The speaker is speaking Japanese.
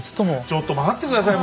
ちょっと待って下さい。